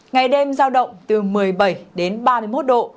ngày đêm giao động từ một mươi bảy đến ba mươi một độ